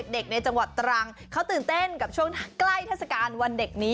ในจังหวัดตรังเขาตื่นเต้นกับช่วงใกล้เทศกาลวันเด็กนี้